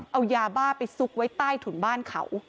เอายาบ้าไปซุกไว้ใต้ถุนบ้านเขา